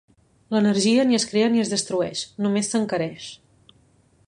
L'energia ni es crea ni es destrueix, només s'encareix.